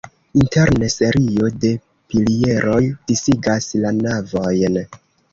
Interne serio de pilieroj disigas la navojn.